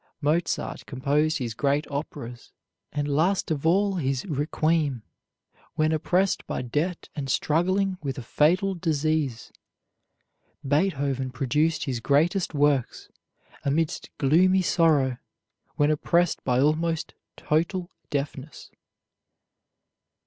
Mozart composed his great operas, and last of all his "Requiem," when oppressed by debt and struggling with a fatal disease. Beethoven produced his greatest works amidst gloomy sorrow, when oppressed by almost total deafness.